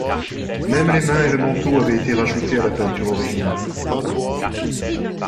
Même les mains et le manteau avaient été rajoutés à la peinture originale.